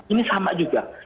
ini sama juga